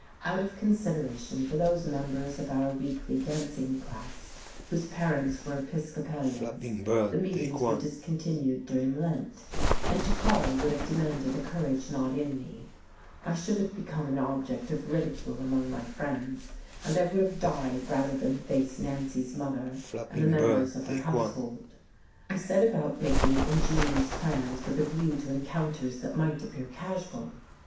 Out of consideration for those members of our weekly dancing class whose parents were Episcopalians the meetings were discontinued during Lent, and to call would have demanded a courage not in me; I should have become an object of ridicule among my friends and I would have died rather than face Nancy's mother and the members of her household. I set about making ingenious plans with a view to encounters that might appear casual.